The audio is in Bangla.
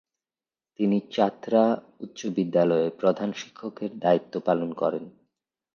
তিনি চাতরা উচ্চ বিদ্যালয়ে প্রধান শিক্ষকের দায়িত্ব পালন করেন।